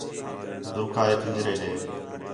دُرکا ہے پھنجرے ݙے